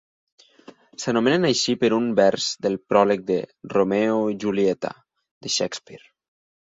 S'anomenen així per un vers del pròleg de "Romeo i Julieta", de Shakespeare.